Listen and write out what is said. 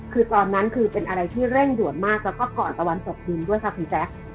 คือตอนนั้นคือเป็นอะไรที่เร่งด่วนมากแล้วก็ก่อนตะวันตกดินด้วยค่ะคุณแจ๊ค